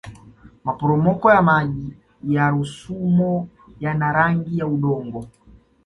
maporomoko ya maji ya rusumo yana rangi ya udongo